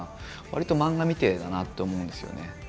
わりと漫画みてえだなって思うんですよね。